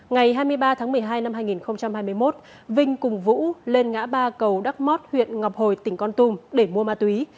ngày hai mươi ba tháng một mươi hai năm hai nghìn hai mươi một vinh cùng vũ lên ngã ba cầu đắk mót huyện ngọc hồi tỉnh con tum để mua ma túy